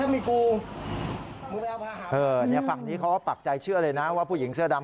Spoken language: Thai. แม่ผม